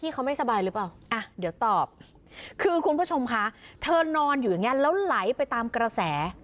คือคุณผู้ชมค่ะเธอนอนอยู่อย่างนี้แล้วไหลไปตามกระแส